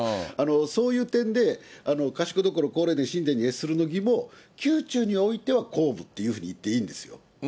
そういう点で、賢所皇霊殿神殿に謁するの儀も宮中においては公務というふうに言っていいんですよ。